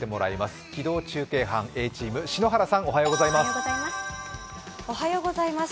機動中継班Ａチーム、篠原さんおはようございます。